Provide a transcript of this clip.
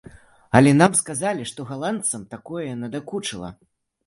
Але нам сказалі, што галандцам такое надакучыла.